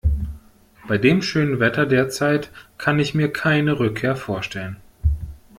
Bei dem schönen Wetter derzeit kann ich mir keine Rückkehr vorstellen.